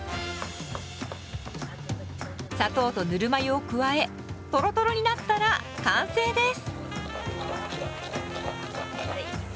砂糖とぬるま湯を加えとろとろになったら完成です。